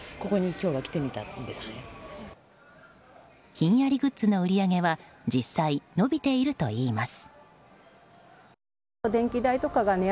ひんやりグッズの売り上げは実際、伸びているといいます。